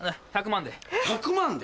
１００万で。